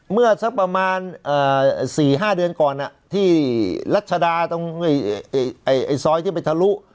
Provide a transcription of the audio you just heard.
เมื่อสักประมาณเอ่อสี่ห้าเดือนก่อนอ่ะที่รัชดาตรงไอ้ไอ้ไอ้ซอยที่ไปทะลุ